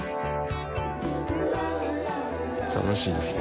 楽しいですね。